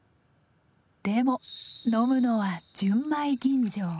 でも飲むのは純米吟醸。